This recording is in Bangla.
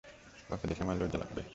কাউকে দেখে আমার লজ্জা লাগবে।